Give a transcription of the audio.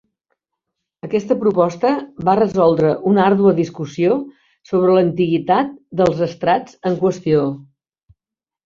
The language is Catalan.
Aquesta proposta va resoldre una àrdua discussió sobre l'antiguitat dels estrats en qüestió.